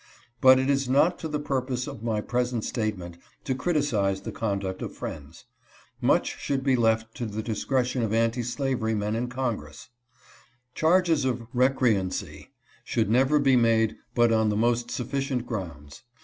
But it is not to the purpose of my present statement to criticize the conduct of friends. Much should be left to the discretion of anti slavery men in Con gress. Charges of recreancy should never be made but on the most sufficient grounds.